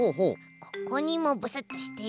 ここにもブスッとして。